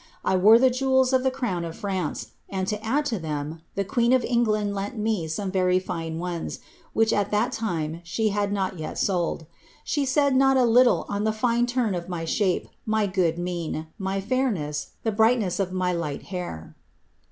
I wore the jewels of the crown of France, and to add to them, the queen of England lent me some very ^ne ones, which at that time she had not yet sold. She said not a little on the fine turn of my shape, my good mien, my fairness, the brightness of my light hair."